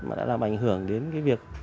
mà đã làm ảnh hưởng đến việc